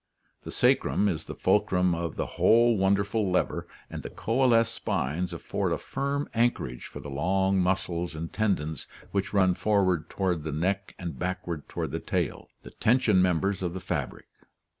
The sacrum is the fulcrum of the whole wonderful lever, and the coalesced spines afford a firm anchorage for the long muscles and tendons which run forward toward the neck and backward to the tail — the tension members of the fabric.